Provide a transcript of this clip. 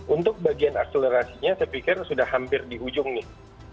untuk bagian akselerasinya saya pikir sudah hampir di ujung nih